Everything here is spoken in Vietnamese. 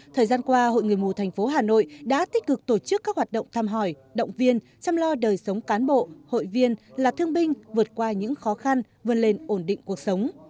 thời gian qua hội người mù thành phố hà nội đã tích cực tổ chức các hoạt động thăm hỏi động viên chăm lo đời sống cán bộ hội viên là thương binh vượt qua những khó khăn vươn lên ổn định cuộc sống